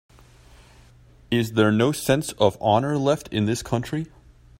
Is there no sense of honor left in this country?